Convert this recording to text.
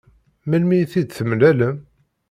Melmi i t-id-temlalem?